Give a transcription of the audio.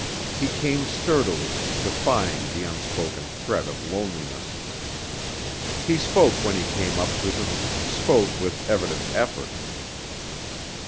He came sturdily, defying the unspoken threat of loneliness. He spoke when he came up to them spoke with evident effort.